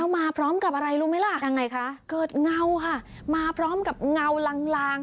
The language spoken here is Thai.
มาพร้อมกับอะไรรู้ไหมล่ะยังไงคะเกิดเงาค่ะมาพร้อมกับเงาลางลาง